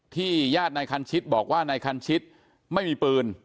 ญาตินายคันชิตบอกว่านายคันชิตไม่มีปืน